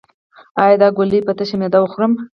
ایا دا ګولۍ په تشه معده وخورم؟